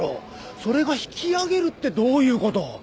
それが引き揚げるってどういう事？